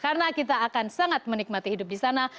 karena kita akan sangat menikmati hidup di sana